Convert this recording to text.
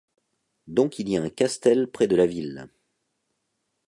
Donc il y a un castell près de la ville.